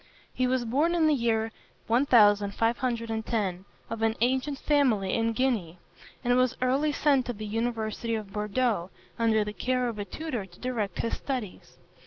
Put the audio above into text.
He was born in the year 1510, of an ancient family in Guienne, and was early sent to the university of Bordeaux, under the care of a tutor to direct his studies.